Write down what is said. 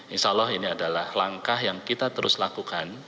insyaallah ini adalah langkah yang kita terus lakukan